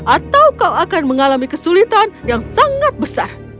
atau kau akan mengalami kesulitan yang sangat besar